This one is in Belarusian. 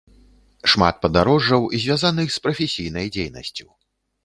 Шмат падарожжаў, звязаных з прафесійнай дзейнасцю.